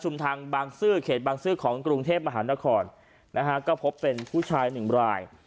ทางบางซื่อเขตบางซื่อของกรุงเทพมหานครนะฮะก็พบเป็นผู้ชายหนึ่งราย